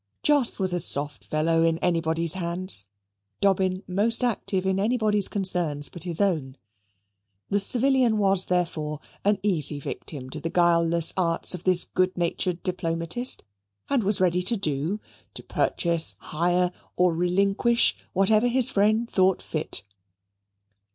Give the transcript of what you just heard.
Jos was a soft fellow in anybody's hands, Dobbin most active in anybody's concerns but his own; the civilian was, therefore, an easy victim to the guileless arts of this good natured diplomatist and was ready to do, to purchase, hire, or relinquish whatever his friend thought fit.